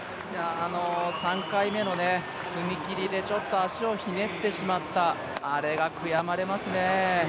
３回目の踏み切りでちょっと足をひねってしまった、あれが悔やまれますね。